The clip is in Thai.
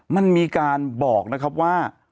มันมีการบอกนะครับว่า